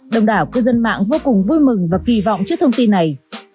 đồng đảo cư dân mạng vô cùng vui mừng và kỳ vọng trước thông tin này